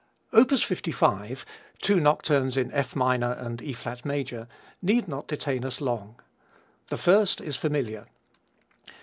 Opus 55, two nocturnes in F minor and E flat major, need not detain us long. The first is familiar.